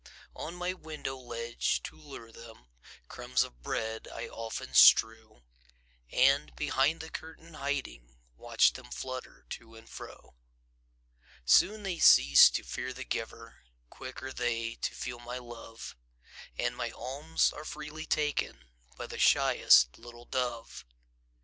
On my window ledge, to lure them, Crumbs of bread I often strew, And, behind the curtain hiding, Watch them flutter to and fro. Soon they cease to fear the giver, Quick are they to feel my love, And my alms are freely taken By the shyest little dove.